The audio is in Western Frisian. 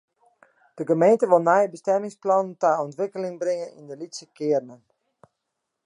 De gemeente wol nije bestimmingsplannen ta ûntwikkeling bringe yn de lytse kearnen.